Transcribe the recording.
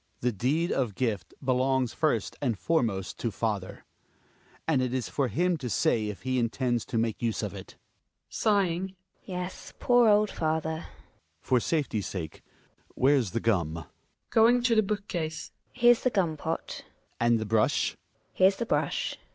Hjalmar. The deed of gift belongs first and foremost to father; and it is for him to say if he intends to make use of it GiNA {sighing). Yes, poor old father Hjalmar. For safety's sake Where's the gum ? Gin A {going to the book case). Here's the gum pot Hjalmar. And the brush ? GiNA. Here's the brush.